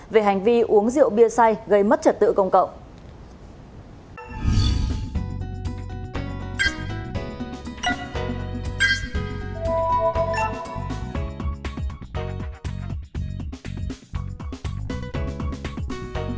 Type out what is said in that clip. về hành vi uống rượu bia say gây mất trật tự công cộng